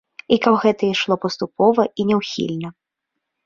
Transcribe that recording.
І каб гэта ішло паступова і няўхільна.